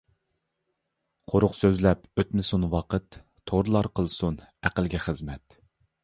قۇرۇق سۆزلەپ ئۆتمىسۇن ۋاقىت تورلار قىلسۇن ئەقىلگە خىزمەت.